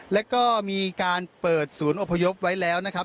แล้วก็มีการเปิดศูนย์อพยพไว้แล้วนะครับ